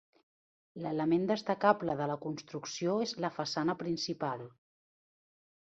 L'element destacable de la construcció és la façana principal.